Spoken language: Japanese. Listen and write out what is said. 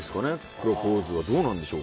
プロポーズは。どうなんでしょう。